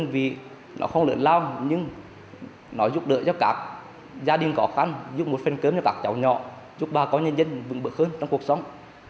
vì nó không lớn lao nhưng nó giúp đỡ cho các gia đình khó khăn giúp một phần cơm cho các cháu nhỏ giúp bà con nhân dân vững bực hơn trong cuộc sống